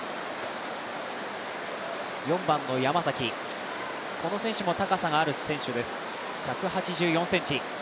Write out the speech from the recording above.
４番の山崎、この選手も高さがある選手です、１８４ｃｍ。